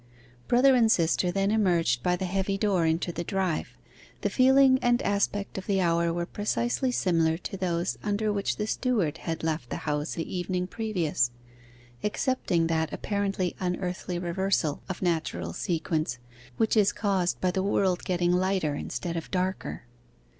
Brother and sister then emerged by the heavy door into the drive. The feeling and aspect of the hour were precisely similar to those under which the steward had left the house the evening previous, excepting that apparently unearthly reversal of natural sequence, which is caused by the world getting lighter instead of darker.